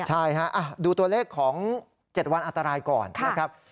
ใช่ฮะดูตัวเลขของ๗วันอันตรายก่อนนะครับ